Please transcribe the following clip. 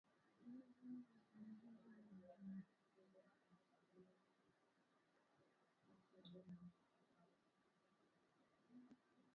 Siku moja kabla ya kutoa ushuhuda, washambuliaji wasiojulikana walipiga risasi katika nyumba yake